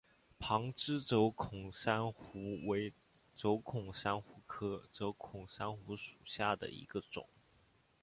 旁枝轴孔珊瑚为轴孔珊瑚科轴孔珊瑚属下的一个种。